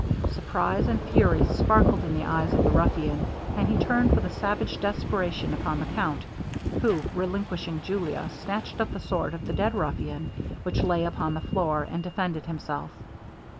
Surprise and fury sparkled in the eyes of the ruffian, and he turned with a savage desperation upon the count; who, relinquishing Julia, snatched up the sword of the dead ruffian, which lay upon the floor, and defended himself.